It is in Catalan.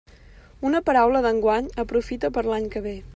Una paraula d'enguany aprofita per a l'any que ve.